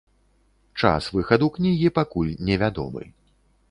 Час выхаду кнігі пакуль невядомы.